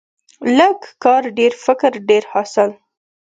لږ کار، ډیر فکر، ډیر حاصل.